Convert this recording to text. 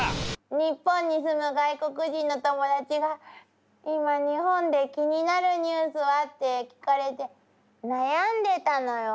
日本に住む外国人の友達が「今日本で気になるニュースは？」って聞かれて悩んでたのよ。